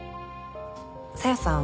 小夜さん